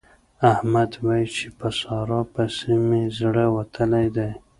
احمد وايي چې په سارا پسې مې زړه وتلی دی.